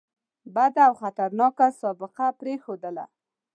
بده او خطرناکه سابقه پرېښودله.